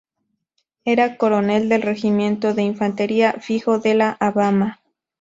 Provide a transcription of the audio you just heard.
Era coronel del regimiento de infantería fijo de La Habana.